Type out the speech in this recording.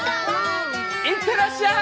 いってらっしゃい！